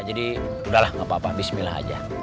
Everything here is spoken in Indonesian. jadi udahlah gak apa apa bismillah aja